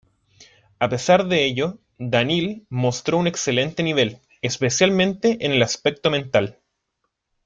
A pesar de ello, Daniil mostró un excelente nivel, especialmente en el aspecto mental.